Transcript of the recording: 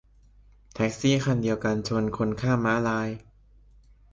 แท็กซี่คันเดียวกันชนคนข้ามม้าลาย